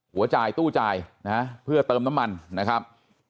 จ่ายตู้จ่ายนะฮะเพื่อเติมน้ำมันนะครับ